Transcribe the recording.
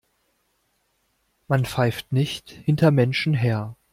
Man pfeift nicht hinter Menschen her.